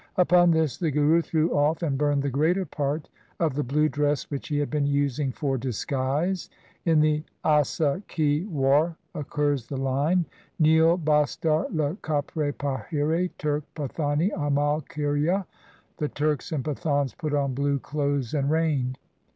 Upon this the Guru threw off and burned the greater part of the blue dress which he had been using for disguise. In the Asa ki War occurs the line :— Nil bastar le kapre pahire Turk Pathani amal kiya. The Turks and Pathans put on blue clothes and reigned.